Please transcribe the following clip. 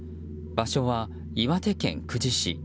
場所は岩手県久慈市。